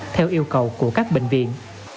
theo yêu cầu của các bệnh viện